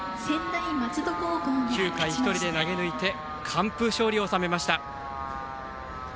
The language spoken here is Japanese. ９回１人で投げ抜いて完封勝利を収めました。